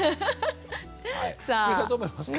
福井さんどう思いますか？